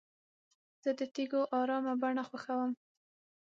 زه د تیږو ارامه بڼه خوښوم.